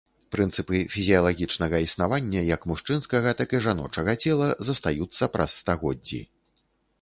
Прынцыпы фізіялагічнага існавання як мужчынскага, так і жаночага цела застаюцца праз стагоддзі.